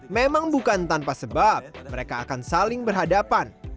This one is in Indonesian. memang bukan tanpa sebab mereka akan saling berhadapan